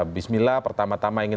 bismillah pertama tama ingin